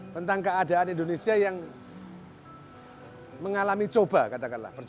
tentang keadaan indonesia yang mengalami coba katakanlah